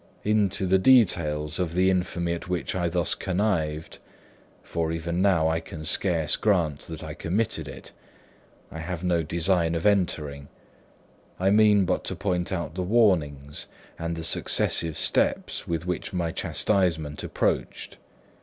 Into the details of the infamy at which I thus connived (for even now I can scarce grant that I committed it) I have no design of entering; I mean but to point out the warnings and the successive steps with which my chastisement approached.